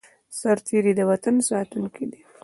سرتیری د وطن ساتونکی دی